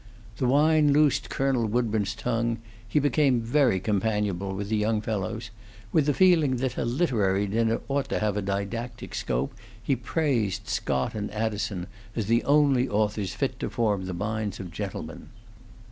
The wine loosed Colonel Woodburn's tongue; he became very companionable with the young fellows; with the feeling that a literary dinner ought to have a didactic scope, he praised Scott and Addison as the only authors fit to form the minds of gentlemen.